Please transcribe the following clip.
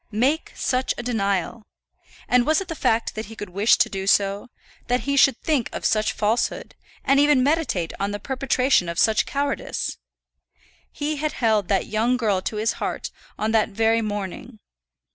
Make such a denial! And was it the fact that he could wish to do so, that he should think of such falsehood, and even meditate on the perpetration of such cowardice? He had held that young girl to his heart on that very morning.